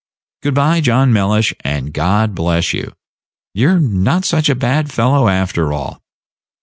Good by, John Mellish, and God bless you. You're not such a bad fellow, after all."